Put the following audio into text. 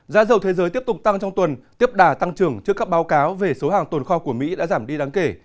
giá dầu thế giới tiếp tục tăng trong tuần tiếp đà tăng trưởng trước các báo cáo về số hàng tồn kho của mỹ đã giảm đi đáng kể